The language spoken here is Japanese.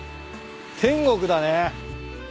天国だね。